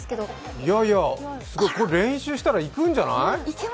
いやいや、練習したら、いくんじゃない？